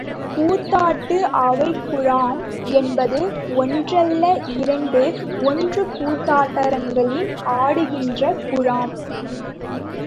கூத்தாட்டு அவைக்குழாம் என்பது ஒன்றல்ல, இரண்டு, ஒன்று கூத்தாட்டரங்கில் ஆடுகின்ற குழாம்.